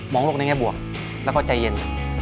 โลกในแง่บวกแล้วก็ใจเย็น